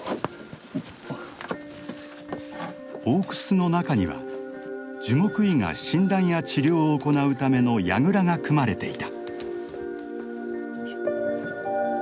大クスの中には樹木医が診断や治療を行うためのやぐらが組まれていた。